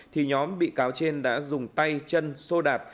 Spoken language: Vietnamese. thì nhóm bị cáo trên đã dùng tay chân sô đạp